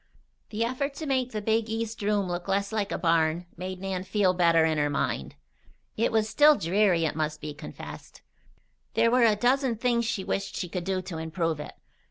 The effort to make the big east room look less like a barn made Nan feel better in her mind. It was still dreary, it must be confessed. There were a dozen things she wished she could do to improve it.